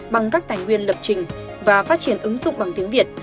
bằng các tài nguyên lập trình và phát triển ứng dụng bằng tiếng việt